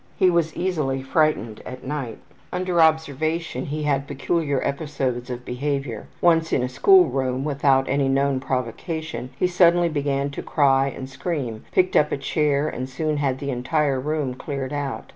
He was easily frightened at night. Under observation he had peculiar episodes of behavior. Once in a school room, without any known provocation, he suddenly began to cry and scream, picked up a chair and soon had the entire room cleared out.